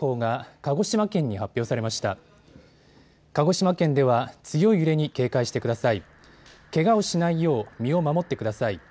鹿児島県では強い揺れに警戒してください。